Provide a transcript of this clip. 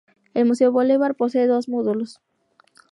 El Museo Bolívar posee dos módulos.